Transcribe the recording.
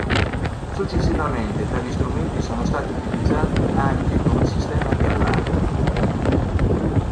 Successivamente tali strumenti sono stati utilizzati anche come sistema di allarme.